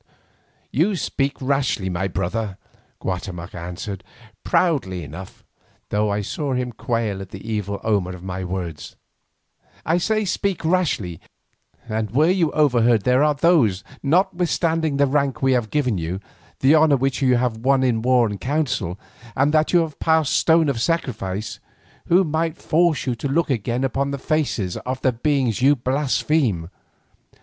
"You speak rashly, my brother," Guatemoc answered, proudly enough, though I saw him quail at the evil omen of my words. "I say you speak rashly, and were you overheard there are those, notwithstanding the rank we have given you, the honour which you have won in war and council, and that you have passed the stone of sacrifice, who might force you to look again upon the faces of the beings you blaspheme.